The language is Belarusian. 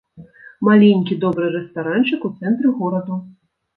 Маленькі добры рэстаранчык у цэнтры гораду.